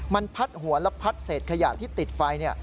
มันพัดหัวและพัดเศษขยะที่ติดไฟ